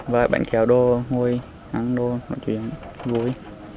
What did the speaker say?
với bánh kéo đô ngồi ăn đô nói chuyện vui